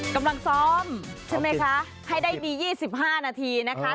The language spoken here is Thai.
กำลังซ้อมใช่ไหมคะให้ได้ดี๒๕นาทีนะคะ